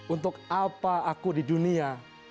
untuk apa aku di dunia